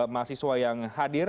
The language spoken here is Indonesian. mahasiswa yang hadir